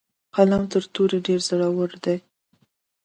قلم تر تورې ډیر زورور دی.